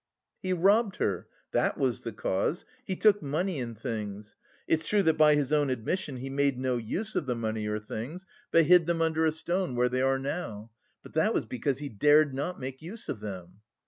"He robbed her, that was the cause, he took money and things. It's true that by his own admission he made no use of the money or things, but hid them under a stone, where they are now. But that was because he dared not make use of them."